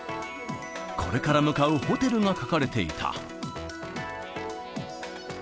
これから向かうホテルが書かれていた。